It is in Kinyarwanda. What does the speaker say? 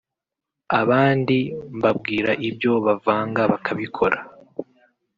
Abandi mbabwira ibyo bavanga bakabikora